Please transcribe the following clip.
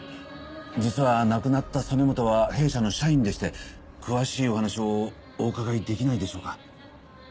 実は亡くなった曽根本は弊社の社員でして詳しいお話をお伺いできないでしょうか？